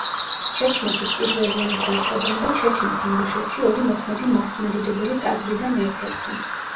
ჩეჩნეთის პირველი ომის დაწყებამდე ჩეჩნეთ-ინგუშეთში ორი მოქმედი მართლმადიდებელი ტაძრიდან ერთ-ერთი.